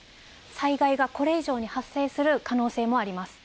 災害がこれ以上に発生する可能性もあります。